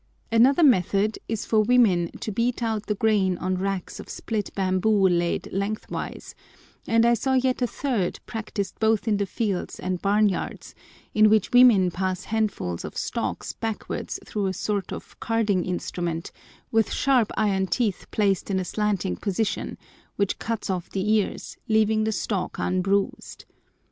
Another method is for women to beat out the grain on racks of split bamboo laid lengthwise; and I saw yet a third practised both in the fields and barn yards, in which women pass handfuls of stalks backwards through a sort of carding instrument with sharp iron teeth placed in a slanting position, which cuts off the ears, leaving the stalk unbruised.